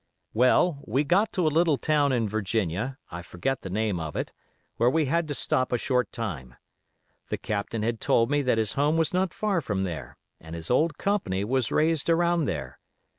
"Well, we got to a little town in Virginia, I forget the name of it, where we had to stop a short time. The Captain had told me that his home was not far from there, and his old company was raised around there.